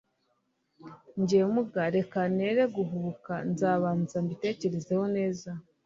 Njye muga reka nere guhubuka nza banze mbitekerezeho neza